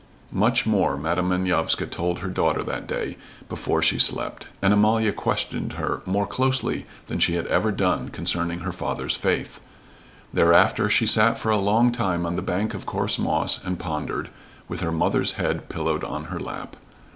Much more Madam Manovska told her daughter that day, before she slept; and Amalia questioned her more closely than she had ever done concerning her father's faith. Thereafter she sat for a long time on the bank of coarse moss and pondered, with her mother's head pillowed on her lap.